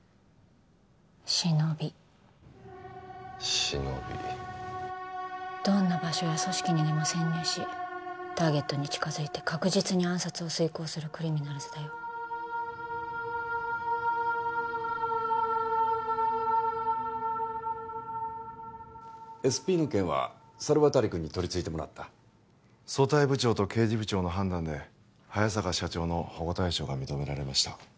シノビシノビどんな場所や組織にでも潜入しターゲットに近づいて確実に暗殺を遂行するクリミナルズだよＳＰの件は猿渡君に取り次いでもらった組対部長と刑事部長の判断で早坂社長の保護対象が認められました